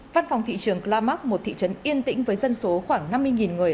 văn phòng thị trường clamac một thị trấn yên tĩnh với dân số khoảng năm mươi người